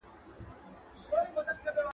بهرنۍ تګلاره بې له انعطاف نه نه دوام کوي.